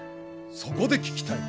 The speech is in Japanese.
そこで聞きたい。